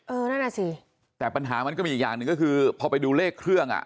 นั่นน่ะสิแต่ปัญหามันก็มีอีกอย่างหนึ่งก็คือพอไปดูเลขเครื่องอ่ะ